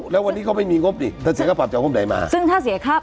แล้ววันนี้ก็ไม่มีงบถ้าเสียค่าปรับจะเอาความไหนมา